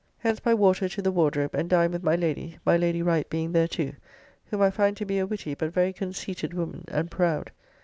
Hence by water to the Wardrobe, and dined with my Lady, my Lady Wright being there too, whom I find to be a witty but very conceited woman and proud.